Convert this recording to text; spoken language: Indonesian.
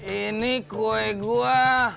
ini kue gua